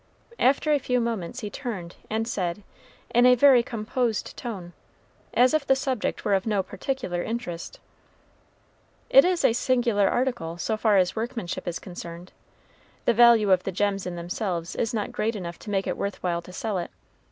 After a few moments he turned and said, in a very composed tone, as if the subject were of no particular interest, "It is a singular article, so far as workmanship is concerned. The value of the gems in themselves is not great enough to make it worth while to sell it.